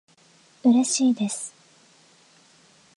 うれしいです